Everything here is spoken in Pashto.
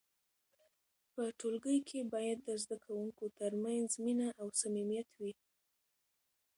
په ټولګي کې باید د زده کوونکو ترمنځ مینه او صمیمیت وي.